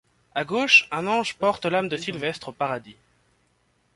À gauche, un ange porte l'âme de Sylvestre au Paradis.